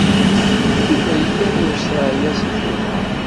Yuba yella deg Ustṛalya seg Tubeṛ.